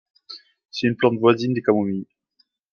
C'est une plante voisine des camomilles.